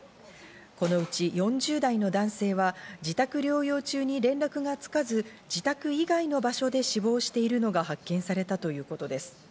このうち４０代の男性は自宅療養中に連絡がつかず、自宅以外の場所で死亡しているのが発見されたということです。